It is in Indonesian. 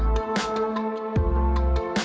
terus kita coba